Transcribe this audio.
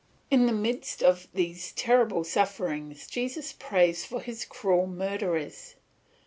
In the midst of these terrible sufferings, Jesus prays for his cruel murderers.